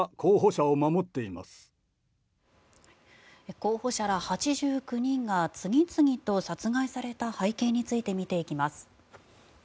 候補者ら８９人が次々と殺害された背景について見ていきます。